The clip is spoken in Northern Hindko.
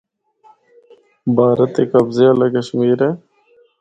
بھارت دے قبضے آلہ کشمیر اے۔